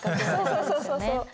そうそうそうそうそう。